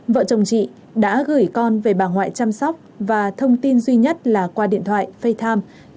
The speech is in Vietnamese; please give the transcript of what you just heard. vợ chồng chị đã gửi con về bảng ngoại chăm sóc và thông tin duy nhất là qua điện thoại facetime